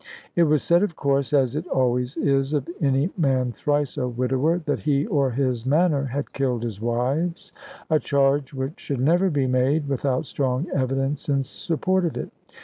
It was said, of course, as it always is of any man thrice a widower, that he or his manner had killed his wives; a charge which should never be made without strong evidence in support of it.